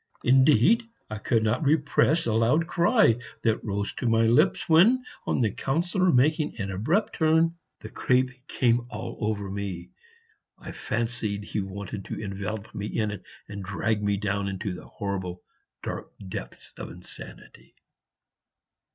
Indeed, I could not repress a loud cry that rose to my lips when, on the Councillor making an abrupt turn, the crape came all over me; I fancied he wanted to envelop me in it and drag me down into the horrible dark depths of insanity.